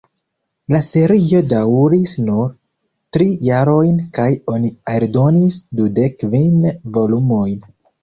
La serio daŭris nur tri jarojn kaj oni eldonis dudek kvin volumojn.